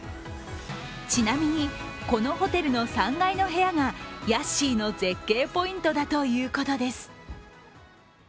ちなみに、このホテルの３階の部屋がヤッシーの絶景ポイントだということです。